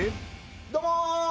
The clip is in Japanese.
どうも。